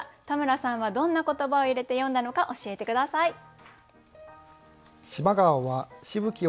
田村さんはどんな言葉を入れて詠んだのか教えて下さい。